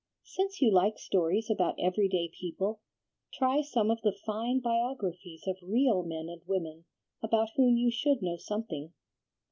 Since you like stories about every day people, try some of the fine biographies of real men and women about whom you should know something.